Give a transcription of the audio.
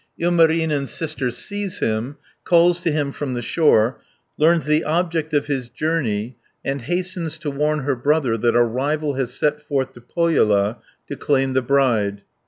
Ilmarinen's sister sees him, calls to him from the shore, learns the object of his journey, and hastens to warn her brother that a rival has set forth to Pohjola to claim the bride (41 266).